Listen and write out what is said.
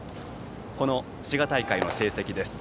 この滋賀大会の成績です。